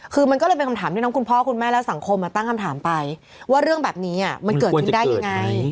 คือมันก็เลยเป็นคำถามที่ทั้งคุณพ่อคุณแม่และสังคมตั้งคำถามไปว่าเรื่องแบบนี้มันเกิดขึ้นได้ยังไง